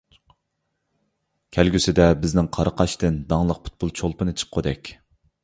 كەلگۈسىدە بىزنىڭ قاراقاشتىن داڭلىق پۇتبول چولپىنى چىققۇدەك.